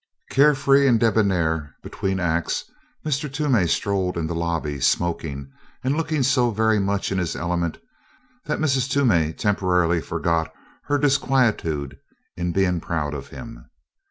Carefree and debonair, between acts Mr. Toomey strolled in the lobby smoking and looking so very much in his element that Mrs. Toomey temporarily forgot her disquietude in being proud of him.